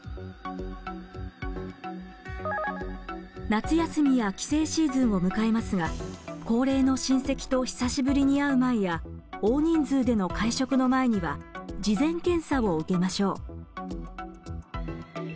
夏休みや帰省シーズンを迎えますが高齢の親戚と久しぶりに会う前や大人数での会食の前には事前検査を受けましょう。